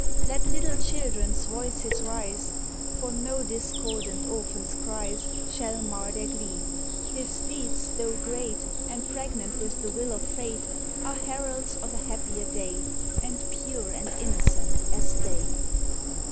Let little children's voices rise, For no discordant orphans cries Shall mar their glee. His deeds, though great, And pregnant with the will of fate, Are heralds of a happier day, And pure and innocent as they.